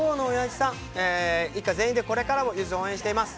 一家全員でこれからもゆずを応援しています。